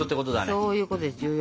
そういうことです重要。